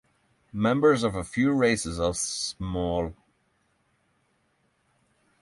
Members of a few races are Small.